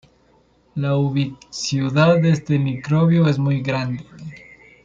La ubicuidad de este microbio es muy grande.